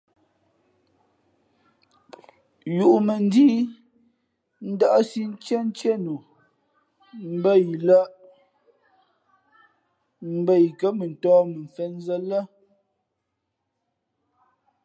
Yūʼmᾱnjíí ndάʼsí ntíéntíé nu mbα yǐ lᾱ mbα yi kά mʉntōh mα mfěnzᾱ lά.